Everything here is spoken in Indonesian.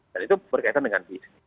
dan itu berkaitan dengan bisnis